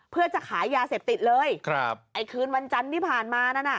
เพื่อจะขายยาเสพติดเลยครับไอ้คืนวันจันทร์ที่ผ่านมานั่นน่ะ